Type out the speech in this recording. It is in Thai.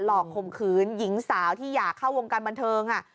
หลอกคมคืนหญิงสาวที่อยากเข้าวงการบรรเทิง